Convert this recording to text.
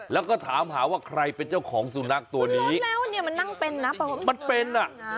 แล้วก็ถามหาว่าใครเป็นเจ้าของสุนัขตัวนี้แล้วเนี่ยมันนั่งเป็นนะมันเป็นอ่ะ